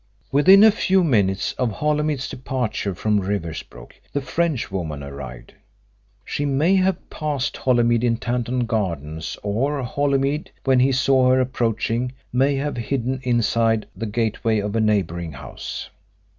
"Within a few minutes of Holymead's departure from Riversbrook the Frenchwoman arrived. She may have passed Holymead in Tanton Gardens, or Holymead, when he saw her approaching, may have hidden inside the gateway of a neighbouring house.